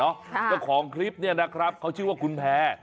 เจ้าของคลิปเนี่ยนะครับเขาชื่อว่าคุณแพร่